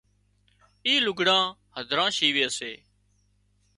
اِي لُگھڙان هڌران شيوي سي